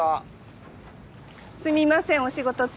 すみませんお仕事中。